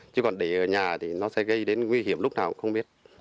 chứ còn để ở nhà thì nó sẽ gây đến nguy hiểm lúc nào cũng không biết